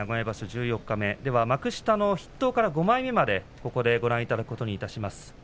十四日目幕下の筆頭から５枚目までご覧いただきます。